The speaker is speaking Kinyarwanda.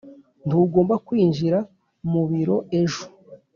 ntugomba kwinjira mu biro ejo.